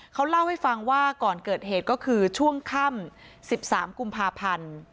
เขาเล่าให้ฟังว่าก่อนเกิดเหตุก็คือช่วงค่ำ๑๓กุมภาพันธ์